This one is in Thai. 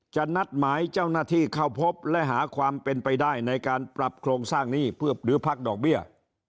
นัดหมายเจ้าหน้าที่เข้าพบและหาความเป็นไปได้ในการปรับโครงสร้างหนี้เพื่อหรือพักดอกเบี้ย